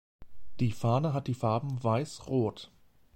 Die Fahne hat die Farben Weiß-Rot.